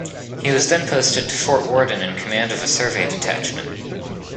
He was then posted to Fort Worden in command of a survey detachment.